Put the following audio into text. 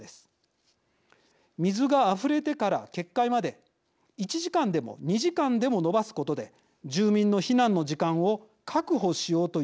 水があふれてから決壊まで１時間でも２時間でも延ばすことで住民の避難の時間を確保しようというわけです。